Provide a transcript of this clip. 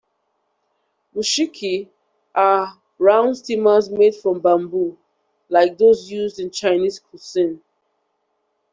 "Mushiki" are round steamers made from bamboo like those used in Chinese cuisine.